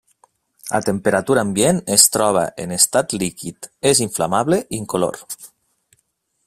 A temperatura ambient es troba en estat líquid, és inflamable, incolor.